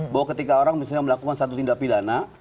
bahwa ketika orang misalnya melakukan satu tindak pidana